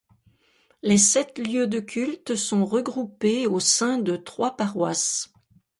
Les sept lieux de culte sont regroupés au sein de trois paroisses.